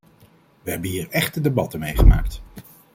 We hebben hier echte debatten meegemaakt.